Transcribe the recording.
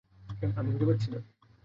আমি খুজে পাচ্ছি না।